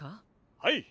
はい！